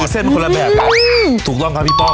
อ๋อคือเส้นคนละแบบอืมถูกต้องครับพี่ป้อง